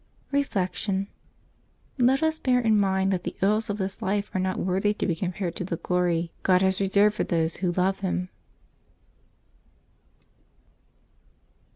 Reflection. — Let us bear in mind that the ills of this life are not worthy to be compared to the glory " God has reserved for those who love Him.'